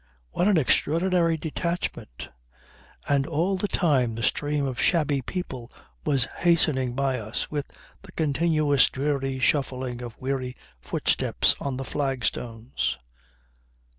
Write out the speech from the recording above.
What an extraordinary detachment! And all the time the stream of shabby people was hastening by us, with the continuous dreary shuffling of weary footsteps on the flagstones.